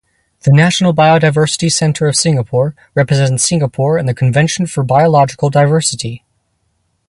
The "National Biodiversity Centre" of Singapore represents Singapore in the Convention for Biological Diversity.